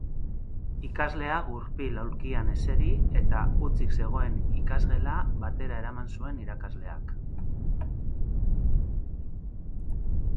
Ikaslea gurpil-aulkian eseri eta hutsik zegoen ikasgela batera eraman zuen irakasleak.